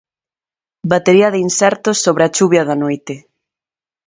Batería de insertos sobre a chuvia da noite.